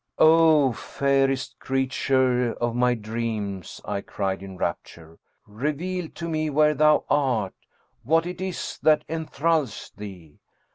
" Oh, fairest creature of my dreams," I cried in rapture. "Reveal to me where thou art, what it is that enthralls thee.